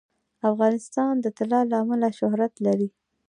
افغانستان د طلا له امله شهرت لري.